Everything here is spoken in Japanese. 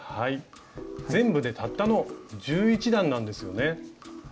全部でたったの１１段なんですよね。